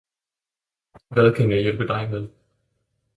Hvad kan jeg hjælpe dig med?